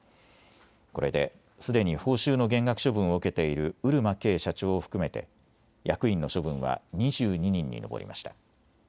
これですでに報酬の減額処分を受けている漆間啓社長を含めて役員の処分は２２人に上りました。